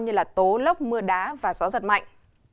như tố lốc mưa đá và gió giật mạnh